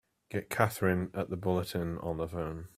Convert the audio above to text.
Get Katherine at the Bulletin on the phone!